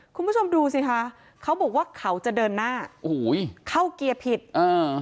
คุณผู้ชมดูสิคะเขาบอกว่าเขาจะเดินหน้าโอ้โหเข้าเกียร์ผิดอ่า